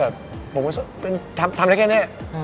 มันสนใร่แค่เนี่ย